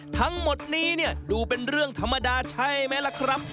ทั้งหมดนี้เนี่ยดูเป็นเรื่องธรรมดาใช่ไหมล่ะครับ